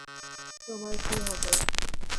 তোমার কী হবে?